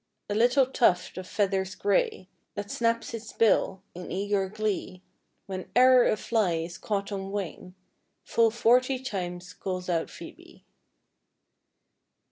A little tuft of feathers grey That snaps its bill in eager glee When e'er a fly is caught on wing, Full forty times calls out Phoebe.